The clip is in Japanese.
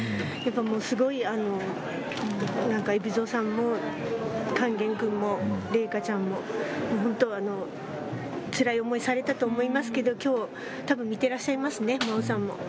やっぱもうすごい、海老蔵さんも勸玄君も麗禾ちゃんも、本当、つらい思いされたと思いますけど、きょう、たぶん見てらっしゃいますね、麻央さんも。